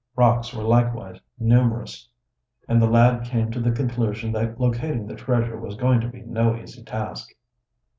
Rocks were likewise numerous, and the lad came to the conclusion that locating the treasure was going to be no easy task.